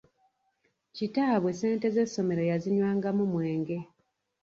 Kitaabwe ssente z’essomero yazinywangamu mwenge.